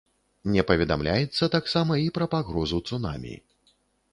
Не паведамляецца таксама і пра пагрозу цунамі.